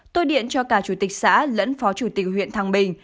tôi điện cho cả chủ tịch xã lẫn phó chủ tịch huyện thăng bình